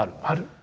ある。